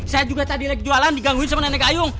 saya juga tadi lagi jualan digangguin sama nenek gayung